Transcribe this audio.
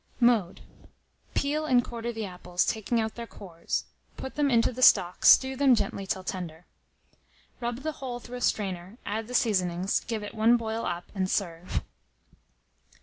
Mode. Peel and quarter the apples, taking out their cores; put them into the stock, stew them gently till tender. Rub the whole through a strainer, add the seasoning, give it one boil up, and serve.